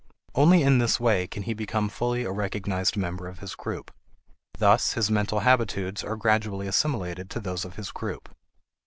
Only in this way can he become fully a recognized member of his group. Thus his mental habitudes are gradually assimilated to those of his group.